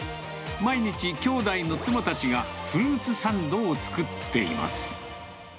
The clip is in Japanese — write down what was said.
毎日兄弟の妻たちが、フルーツサンドを作っています。